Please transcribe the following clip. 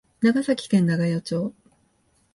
長崎県長与町